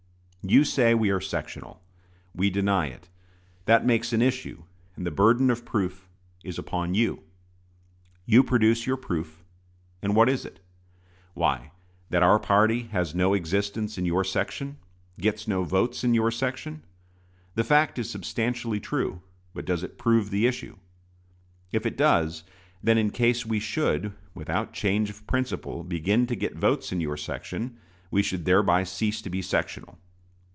You say we are sectional. We deny it. That makes an issue; and the burden of proof is upon you. You produce your proof; and what is it? Why, that our party has no existence in your section gets no votes in your section. The fact is substantially true; but does it prove the issue? If it does, then in case we should, without change of principle, begin to get votes in your section, we should thereby cease to be sectional.